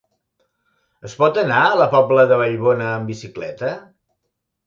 Es pot anar a la Pobla de Vallbona amb bicicleta?